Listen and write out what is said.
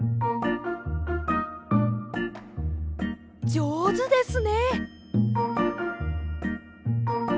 じょうずですね！